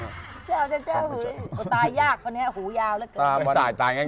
เจ้าเจ้าเจ้าหูตายยากพอเนี่ยหูยาวแล้วก็